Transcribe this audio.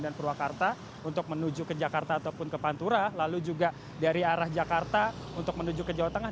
dan purwakarta untuk menuju ke jakarta ataupun ke pantura lalu juga dari arah jakarta untuk menuju ke jawa tengah